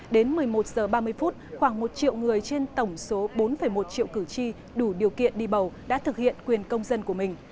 đến một mươi một h ba mươi khoảng một triệu người trên tổng số bốn một triệu cử tri đủ điều kiện đi bầu đã thực hiện quyền công dân của mình